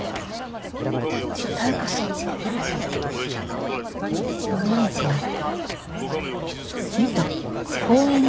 だって妙子さんは。何か見た？